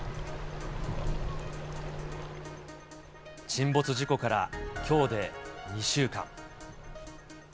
沈没事故から、きょうで２週間。